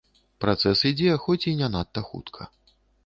Працэс ідзе, хоць і не надта хутка.